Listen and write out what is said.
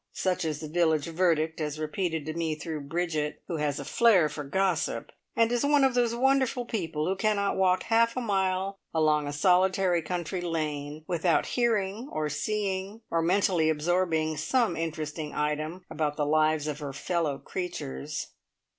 Such is the village verdict as repeated to me through Bridget, who has a flair for gossip, and is one of those wonderful people who cannot walk half a mile along a solitary country lane, without hearing, or seeing, or mentally absorbing some interesting item about the lives of her fellow creatures!